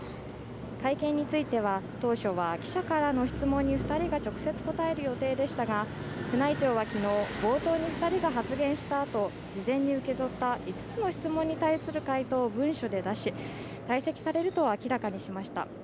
会見については当初は記者らの質問に２人が直接答える予定でしたが宮内庁は昨日、冒頭に２人が発言したあと、事前に受け取った５つの質問に対する回答を文書で出し、退席されると明らかにしました。